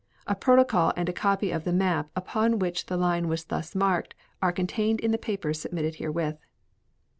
A protocol and a copy of the map upon which the line was thus marked are contained in the papers submitted herewith.